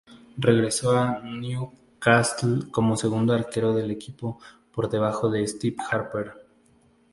Regresó al Newcastle como segundo arquero del equipo por debajo de Steve Harper.